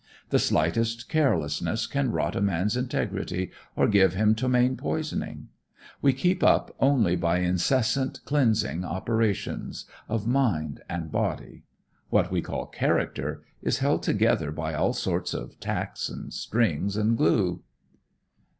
The slightest carelessness can rot a man's integrity or give him ptomaine poisoning. We keep up only by incessant cleansing operations, of mind and body. What we call character, is held together by all sorts of tacks and strings and glue."